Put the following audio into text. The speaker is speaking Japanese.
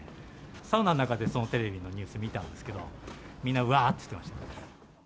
サウナの中でそのテレビのニュース見たんですけど、みんなうわーって言ってました。